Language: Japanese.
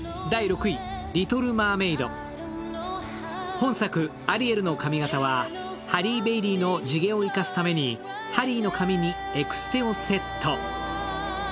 本作、アリエルの髪形はハリー・ベイリーの地毛を生かすためにハリーの髪にエクステをセット。